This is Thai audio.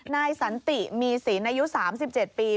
นายสันติมีศีลอายุ๓๗ปี